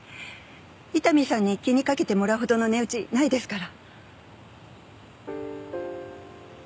伊丹さんに気にかけてもらうほどの値打ちないですから。